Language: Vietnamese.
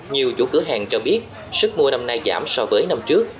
nhiều chủ cửa hàng cho biết sức mua năm nay giảm so với năm trước